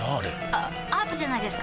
あアートじゃないですか？